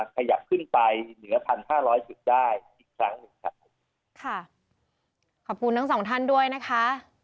ขยับขึ้นไปเหนือพันห้าร้อยจุดได้อีกครั้งหนึ่งครับค่ะขอบคุณทั้งสองท่านด้วยนะคะ